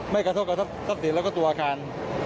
กระทบกระทับทรัพย์สินแล้วก็ตัวอาคาร